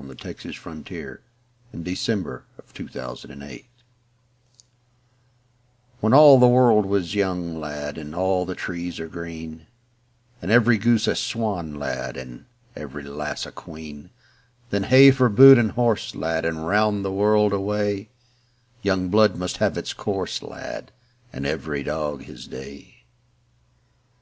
Q R . S T . U V . W X . Y Z Young and Old from The Water Babies WHEN all the world is young, lad, And all the trees are green; And every goose a swan, lad, And every lass a queen; Then hey for boot and horse, lad, And round the world away; Young blood must have its course, lad, And every dog his day.